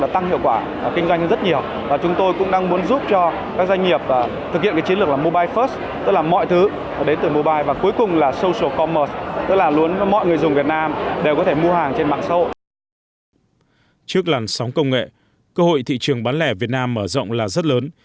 trước làn sóng công nghệ cơ hội thị trường bán lẻ việt nam mở rộng là rất lớn